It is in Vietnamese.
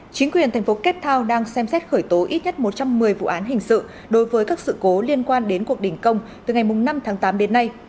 chính quyền thành phố capt town đang xem xét khởi tố ít nhất một trăm một mươi vụ án hình sự đối với các sự cố liên quan đến cuộc đình công từ ngày năm tháng tám đến nay